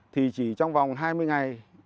thì chỉ trong vòng hai mươi ngày